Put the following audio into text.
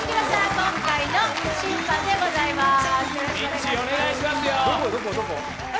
今回の審判でございます。